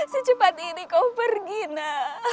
secepat ini kau pergi nak